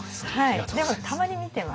でもたまに見てます。